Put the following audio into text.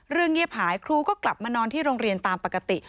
เงียบหายครูก็กลับมานอนที่โรงเรียนตามปกติ